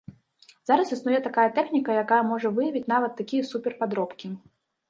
Зараз існуе такая тэхніка, якая можа выявіць нават такія супер-падробкі.